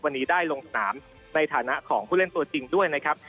วันนี้ได้ลงสนามในฐานะของผู้เล่นตัวจริงด้วยนะครับ